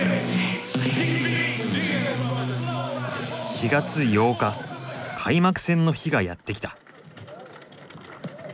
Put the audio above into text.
４月８日開幕戦の日がやって来た。